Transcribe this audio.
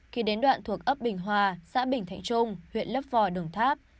khi đến đoạn thuộc ấp bình hòa xã bình thạnh trung huyện lấp vò đồng tháp